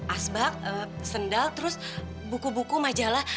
asbak sendal terus buku buku majalah